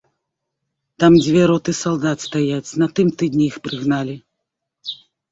Там дзве роты салдат стаяць, на тым тыдні іх прыгналі.